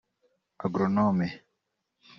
(Agronome)